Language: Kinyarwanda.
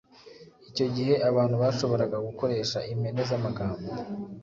Icyo gihe abantu bashoboraga gukoresha impine zamaganbo